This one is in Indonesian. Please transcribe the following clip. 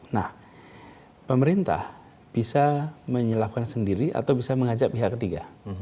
nah pemerintah bisa menyelakkan sendiri atau bisa mengajak pihak ketiga